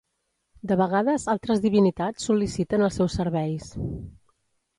De vegades altres divinitats sol·liciten els seus serveis.